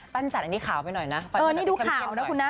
ปั้นจันทร์อันนี้ขาวไปหน่อยนะเออนี่ดูขาวนะคุณนะ